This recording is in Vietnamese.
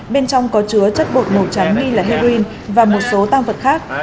bên trong có chứa chất bột màu trắng nghi là heroin và một số tăng vật khác